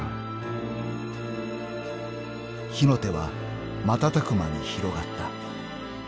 ［火の手は瞬く間に広がった］